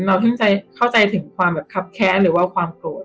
เราเข้าใจถึงความคับแค้นหรือว่าความโปรด